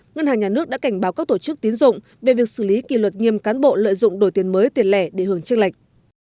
ngân hàng nhà nước đã cảnh báo các tổ chức tiến dụng về việc xử lý kỳ luật nghiêm cán bộ lợi dụng đổi tiền mới tiền lẻ để hưởng chức lệch